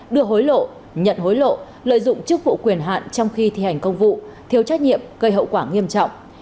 đưa hối lộ nhận hối lộ lợi dụng chức vụ quyền hạn trong khi thi hành công vụ thiếu trách nhiệm gây hậu quả nghiêm trọng